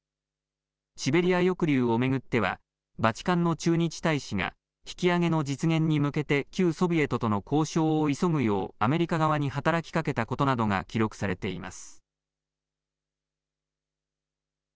シベリア抑留を巡ってはバチカンの駐日大使が引き揚げの実現に向けて旧ソビエトとの交渉を急ぐようアメリカ側に働きかけたことなどが記録されています。